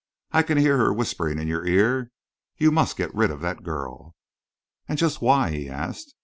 I can hear her whispering in your ear 'You must get rid of that girl.'" "And just why?" he asked.